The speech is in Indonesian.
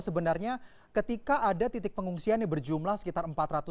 sebenarnya ketika ada titik pengungsian yang berjumlah sekitar empat ratus